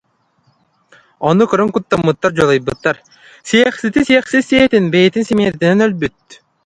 Ону көрөн куттаммыттар, дьулайбыттар: «Сиэхсити сиэхсит сиэтин, бэйэтин симиэрдинэн өлбүт»